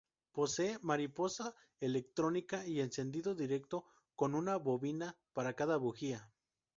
Posee mariposa electrónica y encendido directo con una bobina para cada bujía.